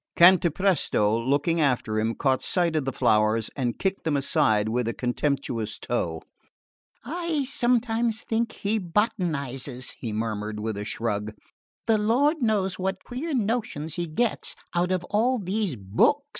Cantapresto, looking after him, caught sight of the flowers and kicked them aside with a contemptuous toe. "I sometimes think he botanises," he murmured with a shrug. "The Lord knows what queer notions he gets out of all these books!"